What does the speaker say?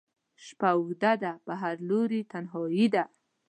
شپه اوږده ده په هر لوري تنهایي ده